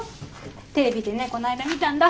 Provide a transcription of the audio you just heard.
テレビでねこないだ見たんだ。